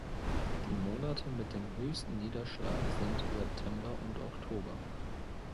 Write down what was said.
Die Monate mit dem höchsten Niederschlag sind September und Oktober.